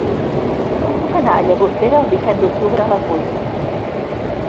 Com puc anar a Llagostera el disset d'octubre a les vuit?